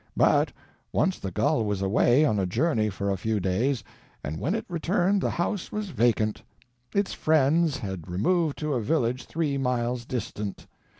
But, once the gull was away on a journey for a few days, and when it returned the house was vacant. Its friends had removed to a village three miles distant.